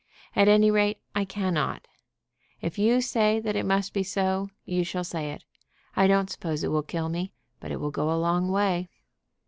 At any rate I cannot. If you say that it must be so, you shall say it. I don't suppose it will kill me, but it will go a long way.